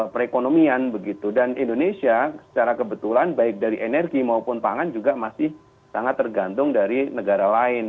perekonomian begitu dan indonesia secara kebetulan baik dari energi maupun pangan juga masih sangat tergantung dari negara lain